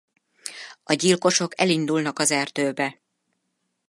A gyilkosok elindulnak az erdőbe.